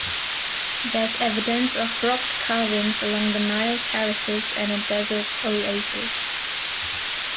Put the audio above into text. There is evidence of rock carvings along the Nile terraces and in desert oases.